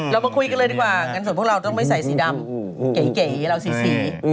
เรามาคุยกันเลยดีกว่าเงินส่วนพวกเราต้องไม่ใส่สีดำเก๋เราสี